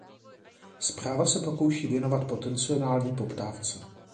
Zpráva se pokouší věnovat potenciální poptávce.